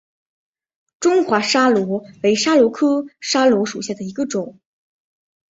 中华桫椤为桫椤科桫椤属下的一个种。